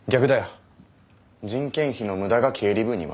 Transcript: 人件費の無駄が経理部にはある。